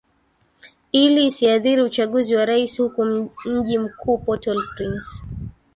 ili isiadhiri uchaguzi wa rais huku mji mkuu portal prince